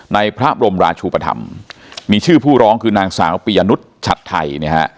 ในพระอบรมราชุปธรรมมีชื่อผู้ร้องคือนางสาวปิยะนุทชัดไทย